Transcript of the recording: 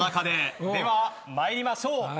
では参りましょう。